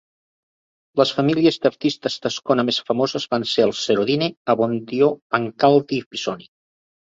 Les famílies d'artistes d'Ascona més famoses van ser els Serodine, Abbondio, Pancaldi i Pisoni.